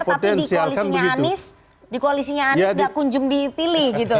tapi di koalisinya anies di koalisinya anies gak kunjung dipilih gitu